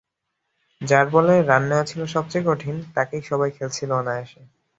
যাঁর বলে রান নেওয়া ছিল সবচেয়ে কঠিন, তাঁকেই সবাই খেলছিল অনায়াসে।